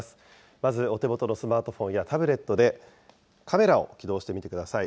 まずお手元のスマートフォンやタブレットで、カメラを起動してみてください。